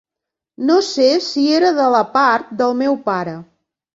No sé si era de la part del meu pare.